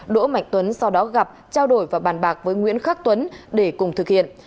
đỗ mạnh tuấn sau đó gặp trao đổi và bàn bạc với nguyễn khắc tuấn để cùng thực hiện